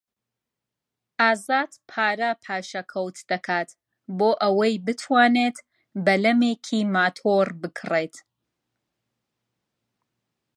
ئازاد پارە پاشەکەوت دەکات بۆ ئەوەی بتوانێت بەلەمێکی ماتۆڕ بکڕێت.